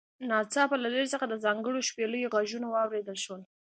ناڅاپه له لرې څخه د ځانګړو شپېلیو غږونه واوریدل شول